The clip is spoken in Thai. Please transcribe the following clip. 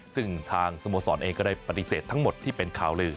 ซึ่งทางสโมสรเองก็ได้ปฏิเสธทั้งหมดที่เป็นข่าวลือ